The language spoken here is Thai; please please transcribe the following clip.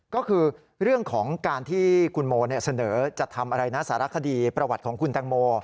ก็คือเรื่องของการที่คุณโมเสนอจะทำอะไรนะสารคดีประวัติของคุณแตงโม